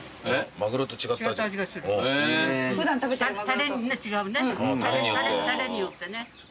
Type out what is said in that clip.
タレによってね。